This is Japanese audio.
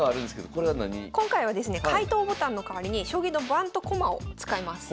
今回はですね解答ボタンの代わりに将棋の盤と駒を使います。